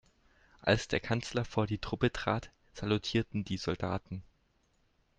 Als der Kanzler vor die Truppe trat, salutierten die Soldaten.